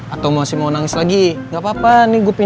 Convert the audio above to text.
atau masih mau nangis lagi